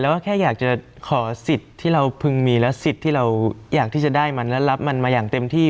แล้วก็แค่อยากจะขอสิทธิ์ที่เราพึงมีและสิทธิ์ที่เราอยากที่จะได้มันและรับมันมาอย่างเต็มที่